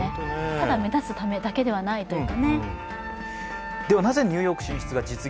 ただ目立つだけではないという。